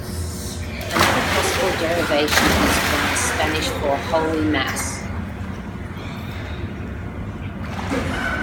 Another possible derivation is from the Spanish for "Holy Mass".